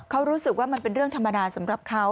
เขารู้สึกว่ามันเป็นเรื่องธรรมดาสำหรับเขา